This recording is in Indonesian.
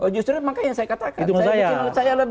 justru makanya yang saya katakan